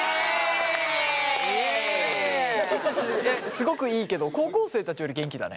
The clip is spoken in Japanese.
すごくいいけど高校生たちより元気だね。